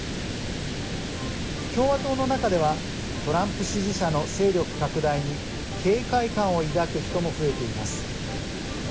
共和党の中ではトランプ支持者の勢力拡大に警戒感を抱く人も増えています。